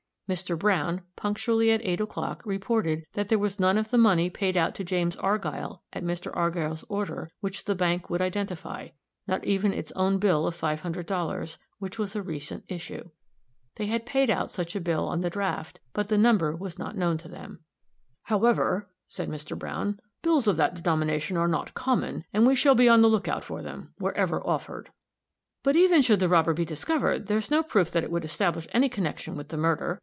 Mr. Browne, punctually at eight o'clock, reported that there was none of the money paid out to James Argyll at Mr. Argyll's order, which the bank would identify not even its own bill of five hundred dollars, which was a recent issue. They had paid out such a bill on the draft, but the number was not known to them. "However," said Mr. Browne, "bills of that denomination are not common, and we shall be on the lookout for them, wherever offered." "But even should the robber be discovered, there is no proof that it would establish any connection with the murder.